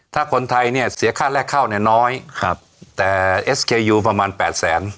ถ้าคนไทยเนี่ยเสียค่าแรกเข้าเนี่ยน้อยครับแต่เอสเคยูประมาณแปดแสน